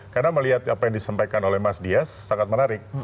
karena melihat apa yang disampaikan oleh mas dias sangat menarik